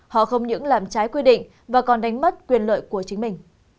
họ không những làm trái quy định và còn đánh mất quyền lợi của chính mình